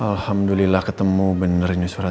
alhamdulillah ketemu benar ini en dre